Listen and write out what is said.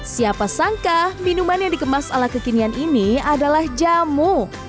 siapa sangka minuman yang dikemas ala kekinian ini adalah jamu